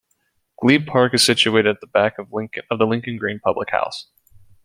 Glebe Park is situated at the back of the Lincoln Green public house.